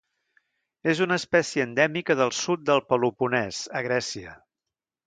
És una espècie endèmica del sud del Peloponès a Grècia.